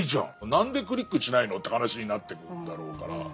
何でクリックしないのって話になってくだろうから。